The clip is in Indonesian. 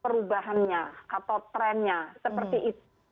perubahannya atau trennya seperti itu